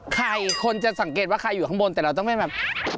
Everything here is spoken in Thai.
ใครคนจะสังเกตว่าใครอยู่ข้างบนแต่เราต้องไม่แบบ